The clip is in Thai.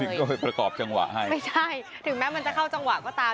ต้องไปประกอบจังหวะให้ไม่ใช่ถึงแม้มันจะเข้าจังหวะก็ตาม